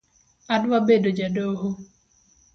Adwa bedo jadoho